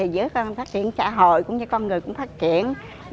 giữa phát triển xã hội cũng như con người cũng phát triển